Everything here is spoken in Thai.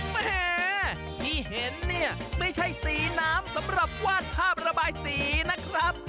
แหมที่เห็นเนี่ยไม่ใช่สีน้ำสำหรับวาดภาพระบายสีนะครับ